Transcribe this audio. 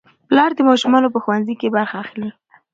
پلار د ماشومانو په ښوونځي کې برخه اخلي